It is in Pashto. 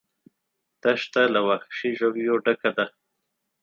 دښته له وحشي ژویو ډکه ده.